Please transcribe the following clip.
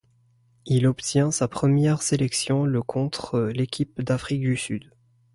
Il obtient sa première sélection le contre l'équipe d'Afrique du Sud.